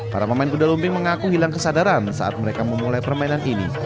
para pemain kuda lumping mengaku hilang kesadaran saat mereka memulai permainan ini